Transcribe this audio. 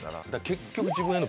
結局。